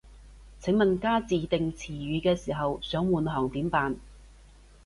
請問加自訂詞語嘅時候，想換行點辦